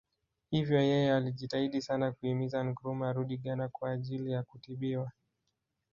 Hivyo yeye alijitahidi sana kuhimiza Nkrumah arudi Ghana kwa ajili ya kutibiwa